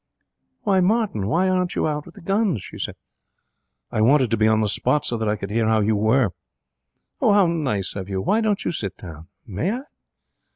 'Why, Martin, why aren't you out with the guns?' she said. 'I wanted to be on the spot so that I could hear how you were.' 'How nice of you! Why don't you sit down?' 'May I?'